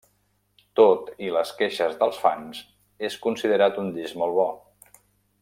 Tot i les queixes dels fans, és considerat un disc molt bo.